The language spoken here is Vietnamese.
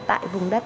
tại vùng đất